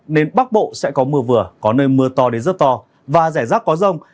nên bắc bộ sẽ có mưa vừa có nơi mưa to đến giấc to và rẻ rác có rông